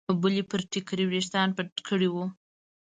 بلې پر ټیکري ویښتان پټ کړي وو.